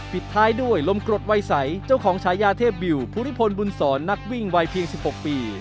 ปิดท้ายด้วยลมกรดวัยใสเจ้าของฉายาเทพบิวภูริพลบุญศรนักวิ่งวัยเพียง๑๖ปี